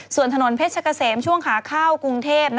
ส่วนถนนเพชรเกษมช่วงขาเข้ากรุงเทพ